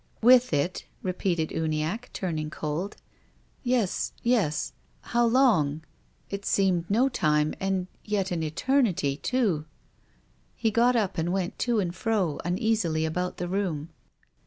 "With it?" repeated Uniacke, turning cold. "Yes, ye:; — how long? It seemed no time — and yet an eternity, too." He got up and went to and fro uneasily about the room.